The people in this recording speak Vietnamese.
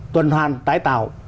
tuần hoàn tái tạo